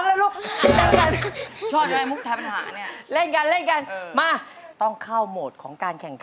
แม้จะเหนื่อยหล่อยเล่มลงไปล้องลอยผ่านไปถึงเธอ